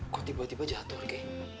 kau tiba tiba jatuh kek